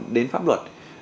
đến pháp luật